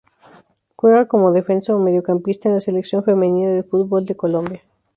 Juega como defensa o mediocampista en la Selección femenina de fútbol de Colombia.